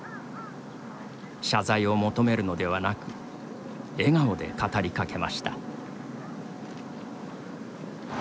謝罪を求めるのではなく笑顔で語りかけました。